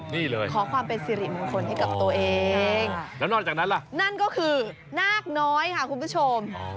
นี่เลยขอความเป็นสิริมงคลให้กับตัวเองแล้วนอกจากนั้นล่ะนั่นก็คือนาคน้อยค่ะคุณผู้ชม